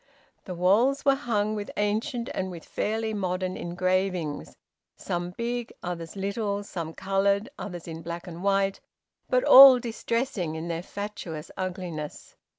The walls were hung with ancient and with fairly modern engravings, some big, others little, some coloured, others in black and white, but all distressing in their fatuous ugliness.